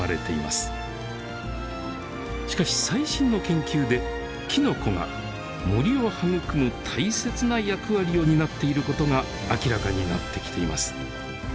しかし最新の研究できのこが森を育む大切な役割を担っていることが明らかになってきています。